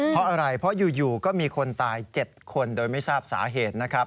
เพราะอะไรเพราะอยู่ก็มีคนตาย๗คนโดยไม่ทราบสาเหตุนะครับ